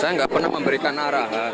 saya nggak pernah memberikan arahan